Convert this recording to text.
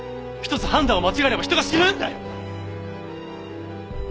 １つ判断を間違えれば人が死ぬんだよ！